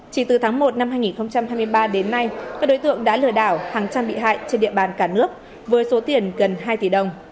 chỉ từ tháng một năm hai nghìn hai mươi ba đến nay các đối tượng đã lừa đảo hàng trăm bị hại trên địa bàn cả nước với số tiền gần hai tỷ đồng